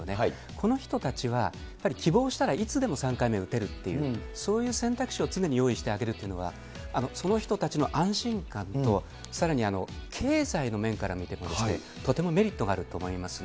この人たちはやっぱり希望したらいつでも３回目打てるっていう、そういう選択肢を常に用意してあげるというのは、その人たちの安心感と、さらに経済の面から見ても、とてもメリットがあると思いますね。